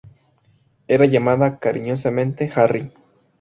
Era llamada cariñosamente "Harry".